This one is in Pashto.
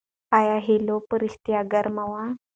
آیا هلوا په رښتیا ګرمه وه؟